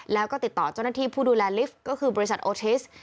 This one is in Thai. แล้วก็ติดต่อเจ้าหน้าที่ผู้ดูแลลิฟต์ก็คือบริษัทโอทิส